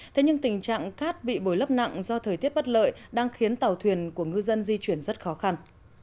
thế nhưng tình trạng cát bị bồi lấp nặng do thời tiết bất lợi đang khiến tàu thuyền của ngư dân di chuyển rất khó khăn